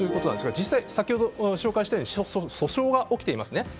先ほど紹介したように訴訟が起きていますね。